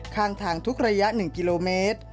ข้างทางทุกระยะ๑กิโลเมตร